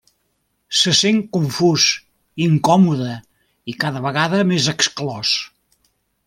Se sent confús, incòmode, i cada vegada més exclòs.